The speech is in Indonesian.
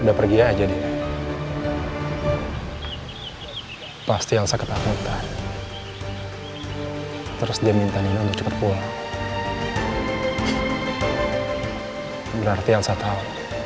udah pergi aja nih pasti elsa ketakutan terus dia minta nino cepet pulang berarti elsa tau